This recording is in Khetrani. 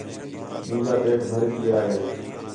مینجا پیٹ بھرج ڳیا ہے